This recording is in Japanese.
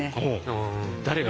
誰が？